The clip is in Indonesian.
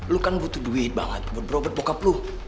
lu kan butuh duit banget buat berobat bokap lu